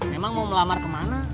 memang mau melamar kemana